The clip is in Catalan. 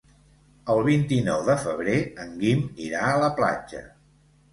El vint-i-nou de febrer en Guim irà a la platja.